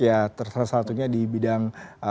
ya salah satunya di bidang